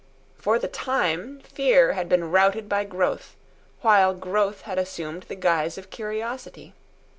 For the time, fear had been routed by growth, while growth had assumed the guise of curiosity.